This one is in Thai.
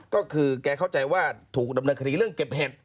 ก็คือแกเข้าใจว่าถูกดำเนินคดีเรื่องเก็บเห็ด